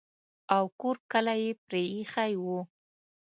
او کور کلی یې پرې ایښی وو.